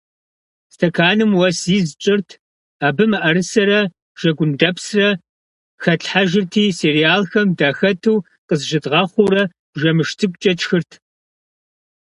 Стэканым уэс из тщӏырт, абы мыӏэрысэрэ жэгундэпсрэ хэтлъхьэжырти, сериалхэм дыхэту къызыщыдгъэхъуурэ бжэмышх цӏыкӏукӏэ тшхырт.